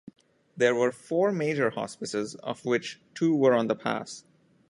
There were four major hospices, of which two were on the pass.